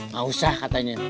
gak usah katanya